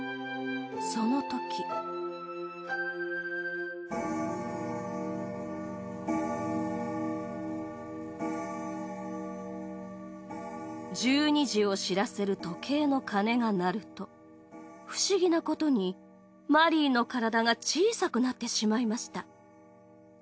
そのとき１２時を知らせる時計の鐘が鳴ると不思議なことにマリーの体が小さくなってしまいました